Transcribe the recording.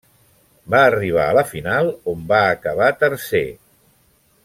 Va arribar a la final, on va acabar tercer.